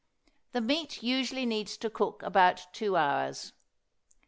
The meat usually needs to cook about two hours.